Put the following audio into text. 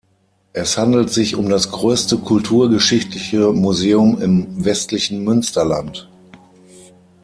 Es handelt sich um das größte kulturgeschichtliche Museum im westlichen Münsterland.